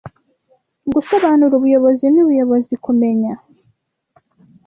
gusobanura ubuyobozi n'ubuyobozi kumenya